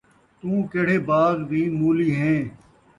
توں کیڑھے باغ دی مولی ہیں